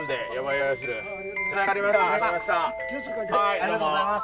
ありがとうございます。